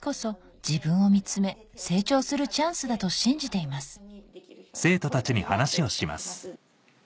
自分を見つめ成長するチャンスだと信じています